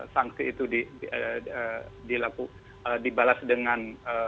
sanksi itu di dilakukan dibalas dengan